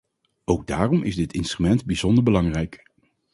Ook daarom is dit instrument bijzonder belangrijk.